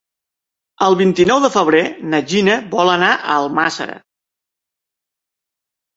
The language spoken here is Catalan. El vint-i-nou de febrer na Gina vol anar a Almàssera.